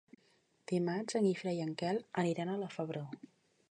Dimarts en Guifré i en Quel aniran a la Febró.